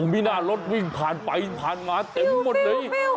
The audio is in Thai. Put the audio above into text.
มีหน้ารถวิ่งผ่านไปผ่านมาเต็มหมดเลย